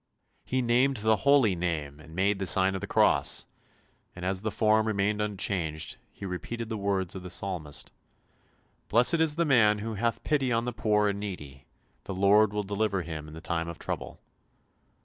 He named the Holy Name and made the sign of the cross, and as the form remained unchanged, he repeated the words of the Psalmist :" Blessed is the man who hath pity on the poor and needy; the Lord will deliver him in the time of trouble!